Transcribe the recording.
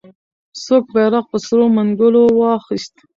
څوک بیرغ په سرو منګولو واخیست؟